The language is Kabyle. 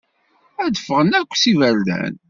Ad d-ffɣen akk s iberdan.